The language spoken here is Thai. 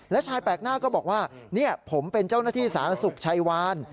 และชายแปลกหน้าก็บอกว่าผมเป็นเจ้าหน้าที่สาธารณสุขชัยวาน